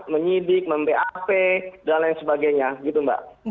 menyidik mem pap dan lain sebagainya gitu mbak